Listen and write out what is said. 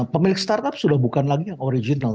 pemilik startup sudah bukan lagi yang original